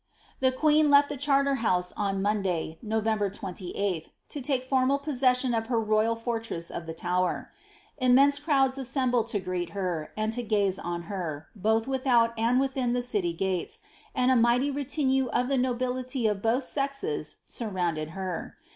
The queen left the Charter House on Monday, November 28, to take formal possession of her royal fortress of the Tower. Immense crowds awcmbied to greet her, and to gaze on her, both without and within the city gates, and a mighty retinue of the nobility of both sexes sur rounded her.